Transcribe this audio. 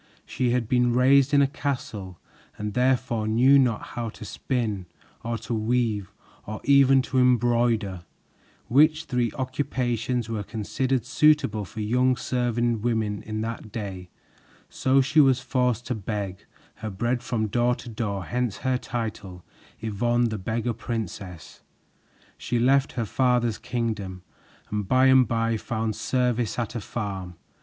She had been raised in a castle and therefore knew not how to spin or to weave or even to embroider, which three occupations were considered suitable for young serving women in that day, so she was forced to beg her bread from door to door; hence her title, Yvonne, the Beggar Princess. She left her father's kingdom and by and by found service at a farm.